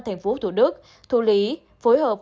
thành phố thủ đức thủ lý phối hợp